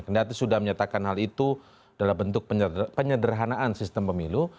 kendati sudah menyatakan hal itu dalam bentuk penyederhanaan sistem pemilu